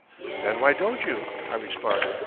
"Then why don't you?" I responded.